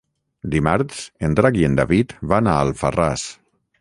Dimarts en Drac i en David van a Alfarràs.